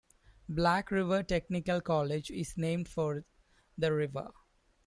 Black River Technical College is named for the river.